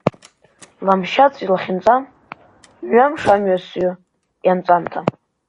Ламшьаҵә илахьынҵа, Мҩамш амҩасҩы ианҵамҭа.